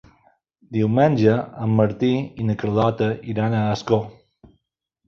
Diumenge en Martí i na Carlota iran a Ascó.